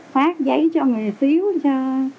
phát giấy cho người xíu cho